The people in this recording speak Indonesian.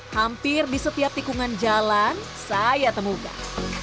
hampir di setiap tikungan jalan saya temukan